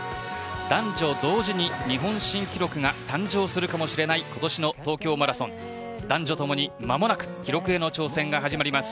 男女同時に日本新記録が誕生するかもしれない今年の東京マラソン男女ともに間もなく記録への挑戦が始まります。